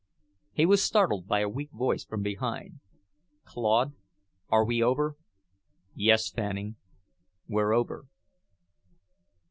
He was startled by a weak voice from behind. "Claude, are we over?" "Yes, Fanning. We're over."